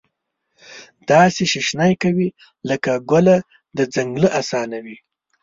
داسي شیشنی کوي لکه ګله د ځنګلې اسانو